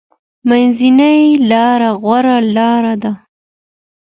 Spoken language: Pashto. منځنۍ لاره غوره لاره ده.